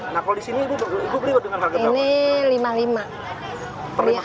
nah kalau di sini ibu beli berapa harga